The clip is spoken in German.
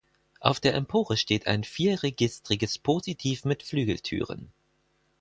Auf der Empore steht ein vierregistriges Positiv mit Flügeltüren.